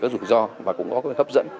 cái rủi ro và cũng có cái hấp dẫn